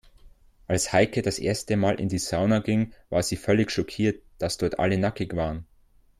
Als Heike das erste Mal in die Sauna ging, war sie völlig schockiert, dass dort alle nackig waren.